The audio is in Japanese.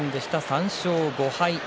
３勝５敗。